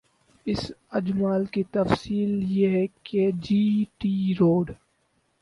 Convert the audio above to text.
اس اجمال کی تفصیل یہ ہے کہ جی ٹی روڈ